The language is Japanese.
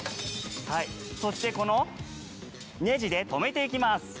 そしてこのねじで留めていきます。